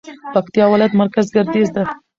پکتيا ولايت مرکز ګردېز ده